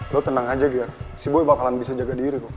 lo tenang aja gia si boy bakalan bisa jaga diri